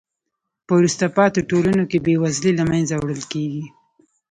په وروسته پاتې ټولنو کې بې وزلۍ له منځه وړل کیږي.